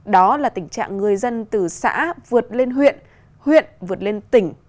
đó là tình trạng người dân từ xã vượt lên huyện huyện vượt lên tỉnh